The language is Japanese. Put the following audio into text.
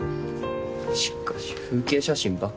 しかし風景写真ばっか。